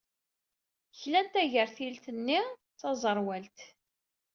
Klan tagertilt-nni d taẓerwalt.